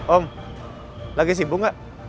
om lagi sibuk gak